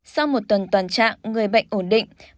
sau một tuần toàn trạng người bệnh ổn định